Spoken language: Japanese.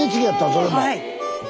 それも！え！